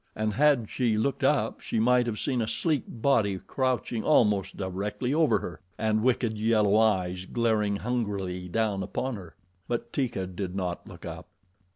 And had she looked up she might have seen a sleek body crouching almost directly over her and wicked yellow eyes glaring hungrily down upon her, but Teeka did not look up.